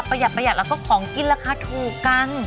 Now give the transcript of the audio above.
ประหยัดแล้วก็ของกินราคาถูกกัน